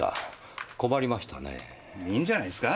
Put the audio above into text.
いいんじゃないすか？